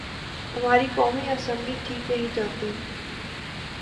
ہماری قومی اسمبلی ٹھیک نہیں چلتی۔